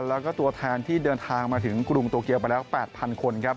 แล้วก็ตัวแทนที่เดินทางมาถึงกรุงโตเกียวไปแล้ว๘๐๐คนครับ